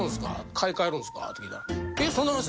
買い替えるんですか？って聞いたら。って